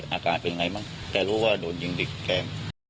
อาการเป็นไงมั้งแต่รู้ว่าโดนยิงเด็กแกล้ง